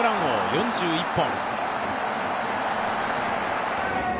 ４１本。